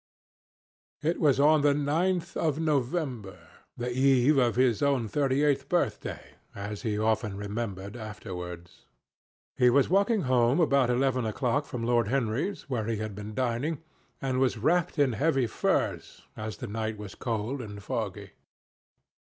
It was on the ninth of November, the eve of his own thirty eighth birthday, as he often remembered afterwards. He was walking home about eleven o'clock from Lord Henry's, where he had been dining, and was wrapped in heavy furs, as the night was cold and foggy.